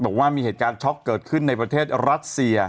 บอกว่ามีเหตุการณ์ช็อกเกิดขึ้นในประเทศรัสเซีย